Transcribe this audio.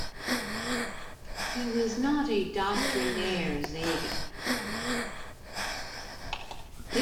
He was not a doctrinaire Zaidi, however.